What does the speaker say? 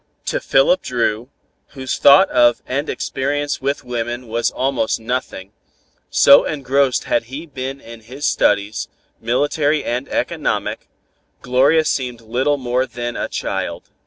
To Philip Dru, whose thought of and experience with women was almost nothing, so engrossed had he been in his studies, military and economic, Gloria seemed little more than a child.